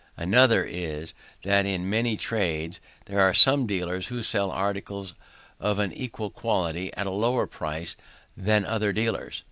Another is, that in many trades, there are some dealers who sell articles of an equal quality at a lower price than other dealers.